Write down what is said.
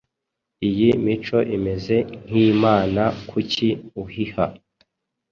Iyi mico imeze nkImana kuki uhiha